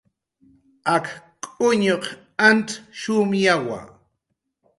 Ak k'uñuq antz shumyawa